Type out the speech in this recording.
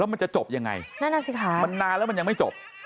มันจะจบยังไงนั่นน่ะสิคะมันนานแล้วมันยังไม่จบ